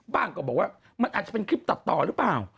ก็บอกว่ามันอาจจะเป็นคลิปตัดต่อหรือเปล่า